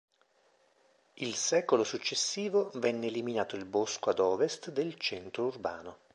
Il secolo successivo venne eliminato il bosco ad ovest del centro urbano.